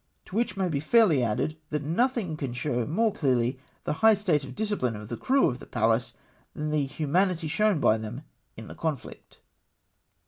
To which may be fairly added, that nothing can show more clearly the high state of discipline of the crew of the Pallas than the humanity shown by them in the conflict.